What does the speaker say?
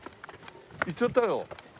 行っちゃったよ。